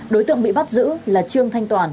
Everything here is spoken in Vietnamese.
đối tượng bị bắt giữ là trương thanh toàn